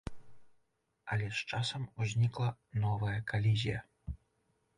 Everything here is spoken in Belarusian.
Але з часам узнікла новая калізія.